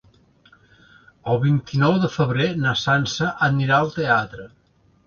El vint-i-nou de febrer na Sança anirà al teatre.